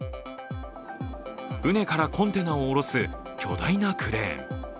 船からコンテナを降ろす巨大なクレーン。